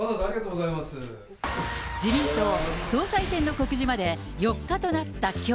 自民党総裁選の告示まで４日となったきょう。